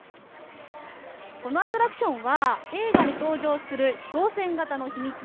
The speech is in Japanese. このアトラクションは映画に登場する飛行船型のひみつ